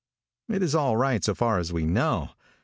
It is all right so far as we know.